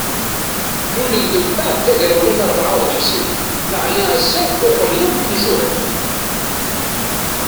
Lulen-d mbeɛd tagrawla n ṛebɛa uxemsin maɛna ass-a uɣalen akk imjuhad.